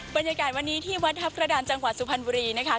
บรรยากาศวันนี้ที่วัดทัพกระดานจังหวัดสุพรรณบุรีนะคะ